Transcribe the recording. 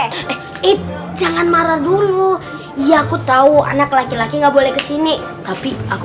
eh jangan marah dulu ya aku tahu anak laki laki nggak boleh kesini tapi aku